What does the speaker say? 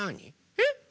えっ？